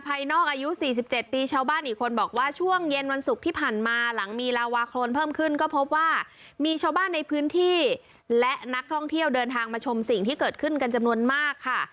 นอกอายุ๔๗ปีชาวบ้านอีกคนบอกว่าช่วงเย็นวันศุกร์ที่ผ่านมาหลังมีลาวาโครนเพิ่มขึ้นก็พบว่ามีชาวบ้านในพื้นที่และนักท่องเที่ยวเดินทางมาชมสิ่งที่เกิดขึ้นกันจำนวนมากค่ะ